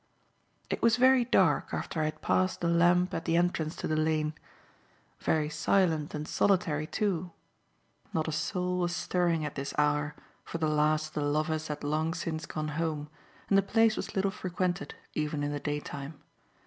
It was very dark after I had passed the lamp at the entrance to the lane. Very silent and solitary too. Not a soul was stirring at this hour, for the last of the lovers had long since gone home and the place was little frequented even in the daytime.